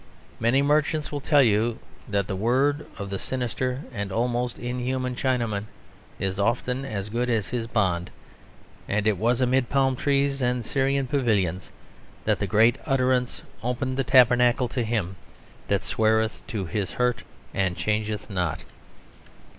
Many merchants will tell you that the word of the sinister and almost unhuman Chinaman is often as good as his bond: and it was amid palm trees and Syrian pavilions that the great utterance opened the tabernacle, to him that sweareth to his hurt and changeth not.